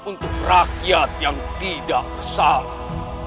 untuk rakyat yang tidak bersalah